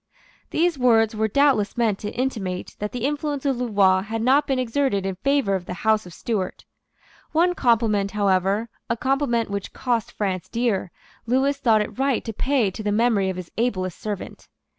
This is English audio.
These words were doubtless meant to intimate that the influence of Louvois had not been exerted in favour of the House of Stuart. One compliment, however, a compliment which cost France dear, Lewis thought it right to pay to the memory of his ablest servant.